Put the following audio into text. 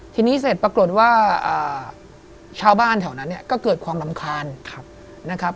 ทีนี้เสร็จปรากฏว่าชาวบ้านแถวนั้นก็เกิดความรำคาญ